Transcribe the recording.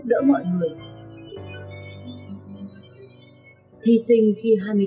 thị sinh khi hai mươi bốn tuổi thượng quý đỗ đức việt đã bắt buộc sử dụng cán bộ sĩ để giúp đỡ mọi người